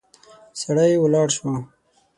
سړی ولاړ شو.